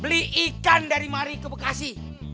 beli ikan dari mari ke bekasi